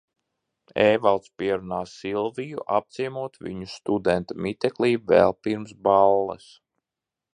Ēvalds pierunā Silviju apciemot viņa studenta miteklīti vēl pirms balles.